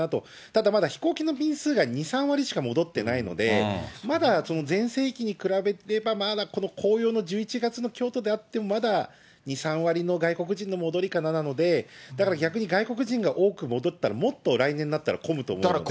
ただまだ、飛行機の便数が２、３割しか戻ってないので、まだ全盛期に比べれば、まだこの紅葉の１１月の京都であっても、まだ２、３割の外国人の戻りかなので、だから逆に外国人が多く戻ったら、もっと来年になったら混むと思うので。